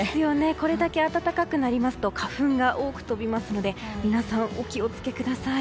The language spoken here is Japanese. これだけ暖かくなりますと花粉が多く飛びますので皆さん、お気を付けください。